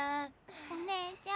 お姉ちゃん。